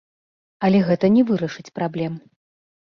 Але гэта не вырашыць праблем.